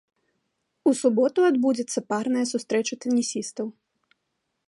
У суботу адбудзецца парная сустрэча тэнісістаў.